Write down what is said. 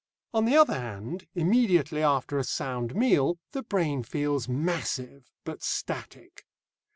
On the other hand, immediately after a sound meal, the brain feels massive, but static.